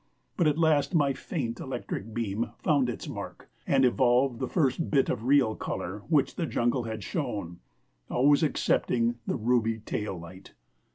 But at last my faint electric beam found its mark and evolved the first bit of real color which the jungle had shown always excepting the ruby tail light.